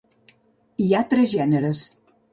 Hi ha tres gèneres.